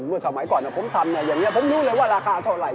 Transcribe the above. เมื่อสมัยก่อนผมทำอย่างนี้ผมรู้เลยว่าราคาเท่าไหร